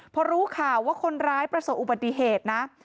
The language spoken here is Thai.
พอรู้ข่าวว่าคนร้ายประสบอุบัติเหตุนะ